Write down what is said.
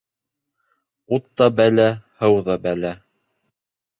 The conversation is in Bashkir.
Ут та бәлә, һыу ҙа бәлә